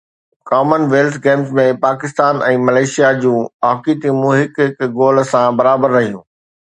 ڪمن wealth games ۾ Pakistan ۽ Malaysia جون hockey ٽيمون هڪ هڪ گول سان برابر رهيون